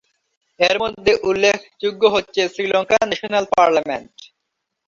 এর মধ্যে উল্লেখযোগ্য হচ্ছে শ্রীলঙ্কা ন্যাশনাল পার্লামেন্ট।